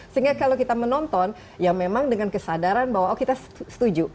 sehingga kalau kita menonton ya memang dengan kesadaran bahwa oh kita setuju